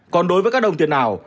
còn đối với các đồng tiền ảo